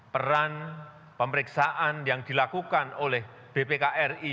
peran pemeriksaan yang dilakukan oleh bpk ri